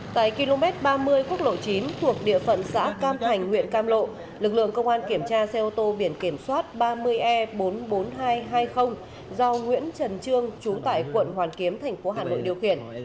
tại km ba mươi quốc lộ chín thuộc địa phận xã cam thành huyện cam lộ lực lượng công an kiểm tra xe ô tô biển kiểm soát ba mươi e bốn mươi bốn nghìn hai trăm hai mươi do nguyễn trần trương trú tại quận hoàn kiếm thành phố hà nội điều khiển